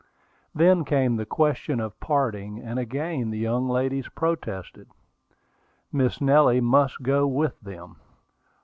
Then came the question of parting, and again the young ladies protested. Miss Nellie must go with them.